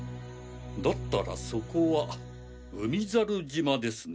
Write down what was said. だったらそこは海猿島ですね。